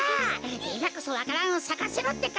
いまこそわか蘭をさかせろってか！